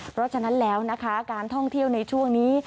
เพราะฉะนั้นแล้วนะคะการท่องเที่ยวในช่วงนี้